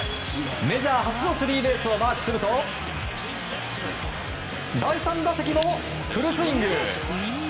メジャー初のスリーベースをマークすると第３打席もフルスイング。